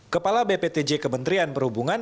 kepala bptj kementerian perhubungan